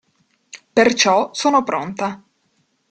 Perciò sono pronta.